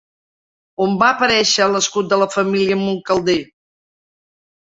On va aparèixer l'escut de la família amb un calder?